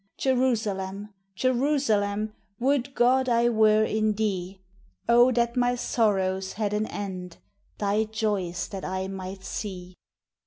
Jerusalem! Jerusalem! Would God I were in thee! Oh! that my sorrows had an end, Thy joys that I might see!